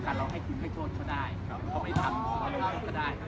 แต่เราให้คุณให้โทษก็ได้เขาไม่ทำก็ได้